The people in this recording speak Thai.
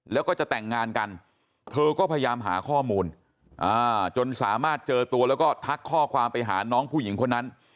แล้วก็จะแต่งงานกันเธอก็พยายามหาข้อมูลจนสามารถเจอตัวแล้วก็ทักข้อความไปหาน้องผู้หญิงคนนั้น